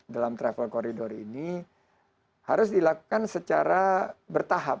dalam travel corridor ini harus dilakukan secara bertahap